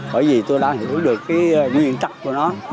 bởi vì tôi đã hiểu được cái nguyên tắc của nó